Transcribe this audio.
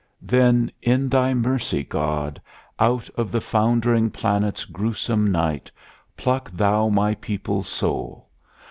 Then, in Thy mercy, God, Out of the foundering planet's gruesome night Pluck Thou my people's soul.